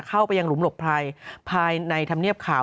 เข้าไปยังหลุมหลบไพรภายในธรรมเนียบข่าว